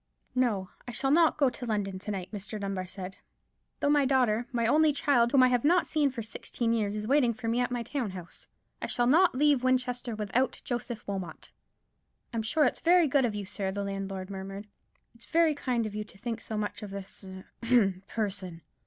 "No, I shall not go to London to night," Mr. Dunbar said; "though my daughter, my only child, whom I have not seen for sixteen years, is waiting for me at my town house. I shall not leave Winchester without Joseph Wilmot." "I'm sure it's very good of you, sir," the landlord murmured; "it's very kind of you to think so much of this—ahem—person."